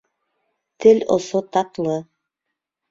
Тел осо татлы